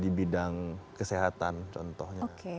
di bidang kesehatan contohnya